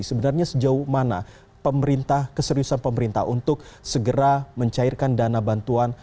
sebenarnya sejauh mana pemerintah keseriusan pemerintah untuk segera mencairkan dana bantuan